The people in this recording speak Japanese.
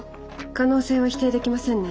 可能性は否定できませんね。